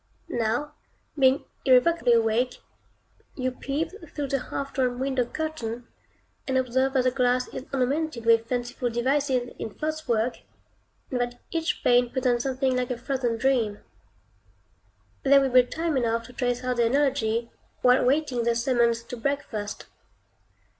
Now, being irrevocably awake, you peep through the half drawn window curtain, and observe that the glass is ornamented with fanciful devices in frostwork, and that each pane presents something like a frozen dream. There will be time enough to trace out the analogy, while waiting the summons to breakfast.